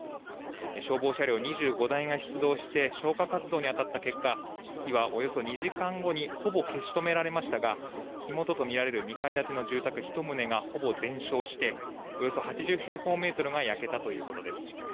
消防車両２５台が出動して消火活動に当たった結果、火はおよそ２時間後に、ほぼ消し止められましたが、火元と見られる２階建ての住宅１棟がほぼ全焼して、およそ８０平方メートルが焼けたということです。